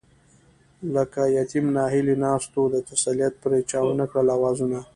لکه يتيم ناهيلی ناست وو، د تسليت پرې چا ونکړل آوازونه